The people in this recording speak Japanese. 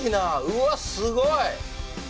うわっすごい！